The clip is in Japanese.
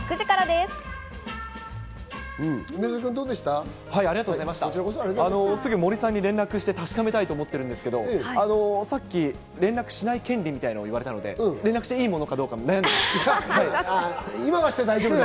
すぐ森さんに連絡して確かめたいと思ってるんですけどさっき連絡しない権利みたいのを言われたので連絡していか悩んで